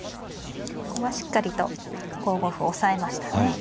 ここはしっかりと５五歩押さえましたね。